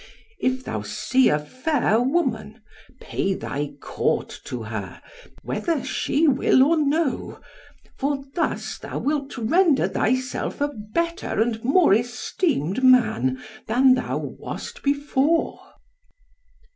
If thou see a fair woman, pay thy court to her, whether she will or no; for thus thou wilt render thyself a better and more esteemed man than thou wast before."